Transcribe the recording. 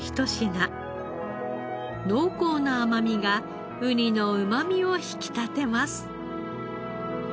濃厚な甘みがウニのうまみを引き立てます。